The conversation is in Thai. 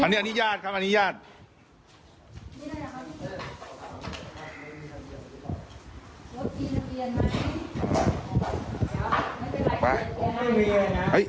อันนี้อนุญาตครับอันนี้ญาติ